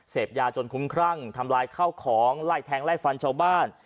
เสพยาจนคุ้มครั่งทำลายข้าวของไล่แทงไล่ฟันชาวบ้าน